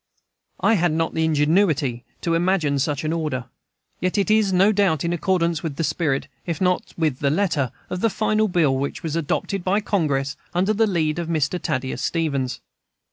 I had not the ingenuity to imagine such an order. Yet it is no doubt in accordance with the spirit, if not with the letter, of the final bill which was adopted by Congress under the lead of Mr. Thaddeus Stevens.